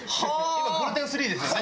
今グルテンスリーですよね？